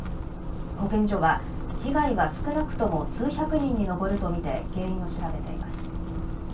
保健所は被害は少なくとも数百人に上ると見て原因を調べています。